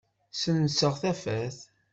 Ssenseɣ tafat.